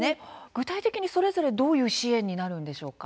具体的に、それぞれどういう支援になるんでしょうか。